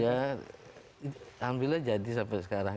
ya ambillah jadi sampai sekarang